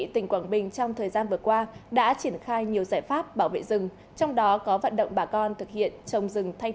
tỉnh quảng bình trong thời gian vừa qua đã triển khai nhiều giải pháp bảo vệ rừng trong đó có vận động bà con thực hiện trồng rừng thanh